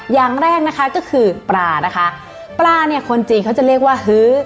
อย่างแรกนะคะก็คือปลานะคะปลาเนี่ยคนจีนเขาจะเรียกว่าฮื้อ